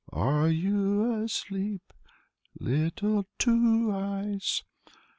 Are you asleep, Little Two Eyes?"